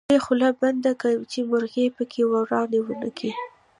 يره خوله بنده که چې مرغۍ پکې ورانی ونکي.